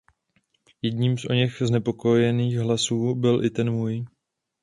Jedním z oněch znepokojených hlasů byl i ten můj.